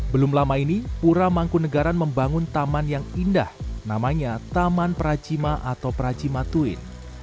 belum lama ini pura mangkunagaran membangun taman yang indah namanya taman pracima atau pracima twin